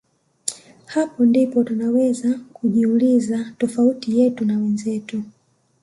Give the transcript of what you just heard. Hapo ndipo tunaweza kujiuliza tofauti yetu na wenzetu